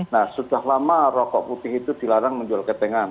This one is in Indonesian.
nah sudah lama rokok putih itu dilarang menjual ketengan